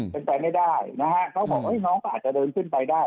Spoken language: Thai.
เป็นไปไม่ได้นะฮะเขาบอกว่าน้องก็อาจจะเดินขึ้นไปได้